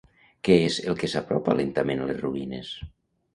Què és el que s'apropa lentament a les ruïnes?